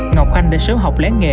ngọc khanh đã sớm học lén nghề